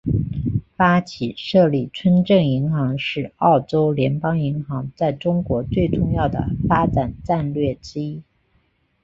发起设立村镇银行是澳洲联邦银行在中国最重要的发展战略之一。